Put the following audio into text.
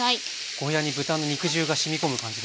ゴーヤーに豚の肉汁がしみ込む感じですか？